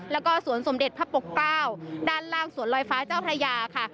แล้วก็สวนสมเด็จพระปกเกล้าด้านล่างสวนลอยฟ้าเจ้าพระยาค่ะ